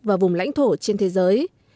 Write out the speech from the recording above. và vùng lãnh thổ trên thế giới